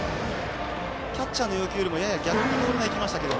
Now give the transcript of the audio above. キャッチャーの要求よりもやや逆にボールがいきましたが。